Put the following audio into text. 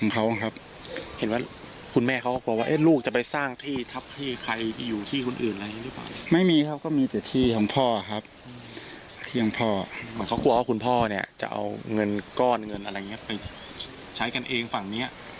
กับิโอด์บุม